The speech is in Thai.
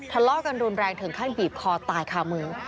ทะเลาะกันรุนแรงถึงขั้นบีบคอตายคามือ